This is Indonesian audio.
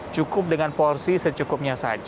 cukup dengan porsi secukupnya saja